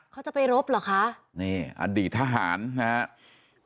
เขาจะไปรบเหรอคะนี่อดีตทหารนะครับ